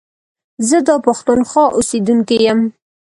زه دا پښتونخوا اوسيدونکی يم.